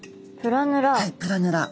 プラヌラ。